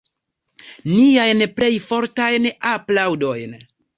Niajn plej fortajn aplaŭdojn.